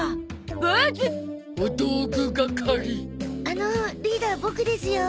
あのリーダーボクですよ。